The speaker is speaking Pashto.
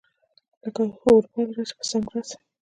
لکه اوربل راسه ، پۀ څنګ راسه